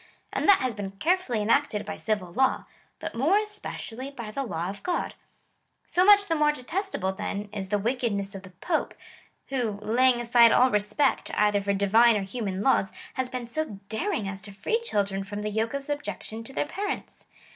And that has been carefully enacted by civil law, but more especially by the law of God. So much the more detestable, then, is the wickedness of the Pojje, who, laying aside all respect, either for Divine or human laws, has been so daring as to free children from the yoke of sub jection to their parents.